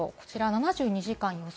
７２時間予想